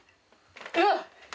うわっ。